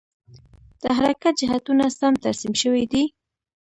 د حرکت جهتونه سم ترسیم شوي دي؟